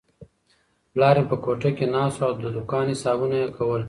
پلار مې په کوټه کې ناست و او د دوکان حسابونه یې کول.